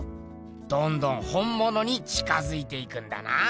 どんどん本ものに近づいていくんだな。